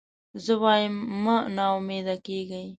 زه وایم مه نا امیده کېږی.